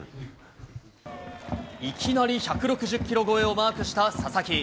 いきなり１６０キロ超えをマークした佐々木。